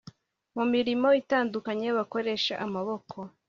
mumirimo itandukanye bakoresha amaboko